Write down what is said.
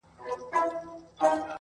• ما سهار دي ور منلي شنه لوټونه -